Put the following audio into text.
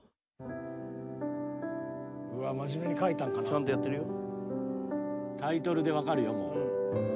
ちゃんとやってるよ。